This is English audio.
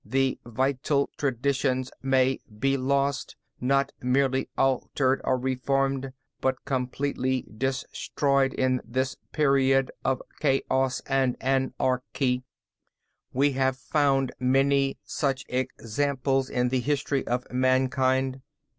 The vital traditions may be lost not merely altered or reformed, but completely destroyed in this period of chaos and anarchy. We have found many such examples in the history of mankind.